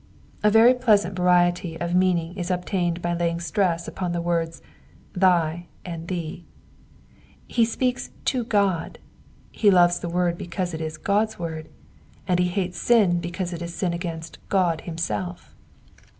A very pleasant variety of meaning is obtained by laying stress upon the words thy" and *'thee." He speaks to God^ he loves the word because it is Qod^s word, and he hates sin because it is sin against Ood himself.